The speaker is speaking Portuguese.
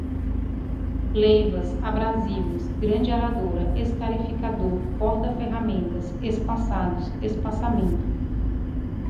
leivas, abrasivos, grade aradora, escarificador, porta-ferramentas, espaçados, espaçamento